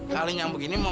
kalau kata gue malu